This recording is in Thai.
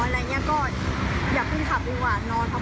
เพราะว่าถ้าคอนน้อยอยากคุ้มขับดูหวานนอน